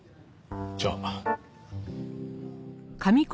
じゃあ。